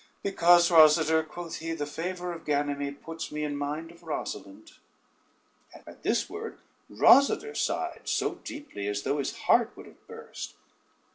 "Because Rosader," quoth he, "the favor of Ganymede puts me in mind of Rosalynde." At this word Rosader sighed so deeply, as though his heart would have burst.